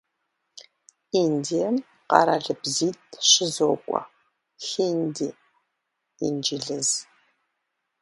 Индием къэралыбзитӀ щызокӀуэ: хинди, инджылыз.